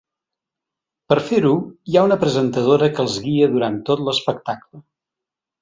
Per fer-ho hi ha una presentadora que els guia durant tot l’espectacle.